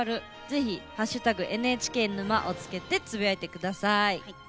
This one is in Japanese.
ぜひ「＃ＮＨＫ沼」をつけてつぶやいてください。